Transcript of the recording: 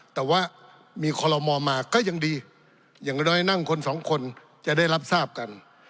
แต่ว่ามีคอลโลมอลมาก็ยังดีอย่างน้อยนั่งคนสองคนจะได้รับทราบกัน